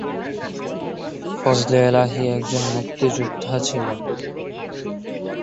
ফজলে এলাহী একজন মুক্তিযোদ্ধা ছিলেন।